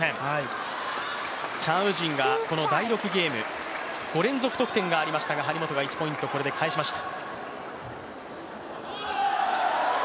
チャン・ウジンが第６ゲーム、５連続得点がありましたが張本が１ポイント、これで返しました。